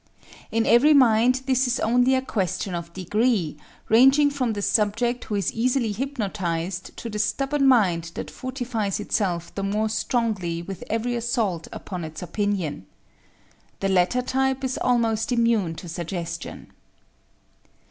_ In every mind this is only a question of degree, ranging from the subject who is easily hypnotized to the stubborn mind that fortifies itself the more strongly with every assault upon its opinion. The latter type is almost immune to suggestion.